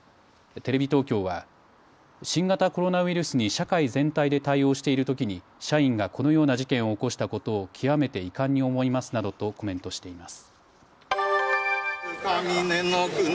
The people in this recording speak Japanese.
テレビ東京は新型コロナウイルスに社会全体で対応しているときに社員がこのような事件を起こしたことを極めて遺憾に思いますなどとコメントしています。